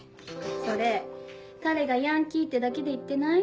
それ彼がヤンキーってだけで言ってない？